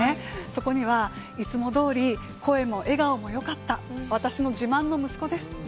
そこには「いつもどおり声も笑顔もよかった私の自慢の息子です」